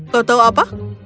kau tahu apa